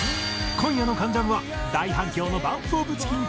今夜の『関ジャム』は大反響のＢＵＭＰＯＦＣＨＩＣＫＥＮ